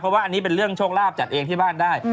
เพราะว่าอันนี้เป็นเรื่องโชคลาภจัดเองที่บ้านได้